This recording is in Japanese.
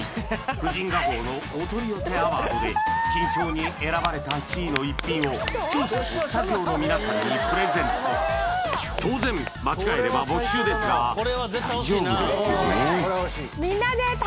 「婦人画報」のお取り寄せアワードで金賞に選ばれた一品を視聴者とスタジオのみなさんにプレゼント当然間違えれば没収ですが大丈夫ですよね？